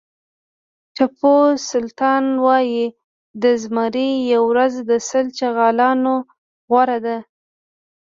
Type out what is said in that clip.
ټيپو سلطان وایي د زمري یوه ورځ د سل چغالو نه غوره ده.